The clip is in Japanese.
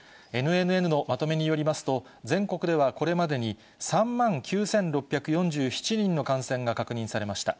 ＮＮＮのまとめによりますと、全国ではこれまでに、３万９６４７人の感染が確認されました。